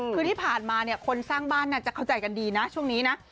คือที่ผ่านมาเนี่ยคนสร้างบ้านน่าจะเข้าใจกันดีนะช่วงนี้นะ